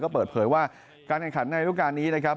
ก็เปิดเผยว่าการแข่งขันในรูปการณ์นี้นะครับ